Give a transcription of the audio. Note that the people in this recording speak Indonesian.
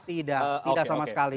tidak tidak sama sekali